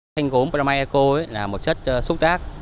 thanh gốm pro myeco là một chất xúc tác